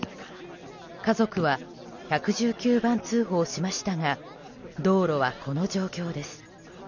家族は１１９番通報しましたが道路は、この状況です。